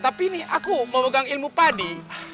tapi nih aku memegang ilmu padi